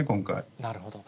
なるほど。